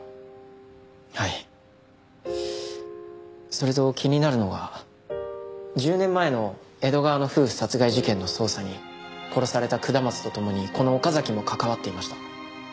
それと気になるのが１０年前の江戸川の夫婦殺害事件の捜査に殺された下松と共にこの岡崎も関わっていました。